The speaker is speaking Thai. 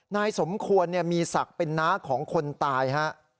นายสมควรมีศักดิ์เป็นน้าของคนตายฮะ